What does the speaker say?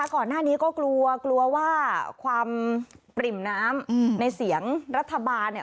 ก่อนหน้านี้ก็กลัวกลัวว่าความปริ่มน้ำในเสียงรัฐบาลเนี่ย